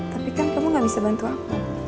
tapi kan kamu gak bisa bantu aku